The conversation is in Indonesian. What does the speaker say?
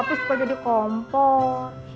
tapi suka jadi kompor